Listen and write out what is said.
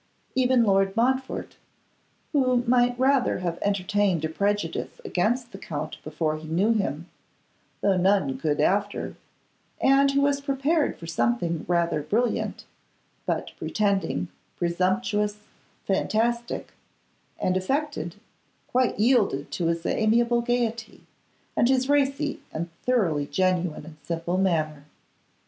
Even Lord Montfort, who might rather have entertained a prejudice against the Count before he knew him though none could after and who was prepared for something rather brilliant, but pretending, presumptuous, fantastic, and affected, quite yielded to his amiable gaiety, and his racy and thoroughly genuine and simple manner.